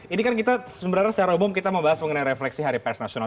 ini kan kita sebenarnya secara umum kita membahas mengenai refleksi hari pers nasional